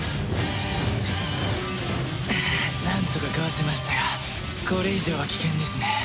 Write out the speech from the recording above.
なんとかかわせましたがこれ以上は危険ですね。